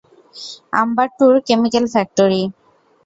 Ambattur chemical factory.